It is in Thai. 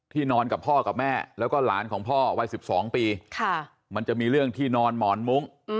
นอนกับพ่อกับแม่แล้วก็หลานของพ่อวัย๑๒ปีมันจะมีเรื่องที่นอนหมอนมุ้ง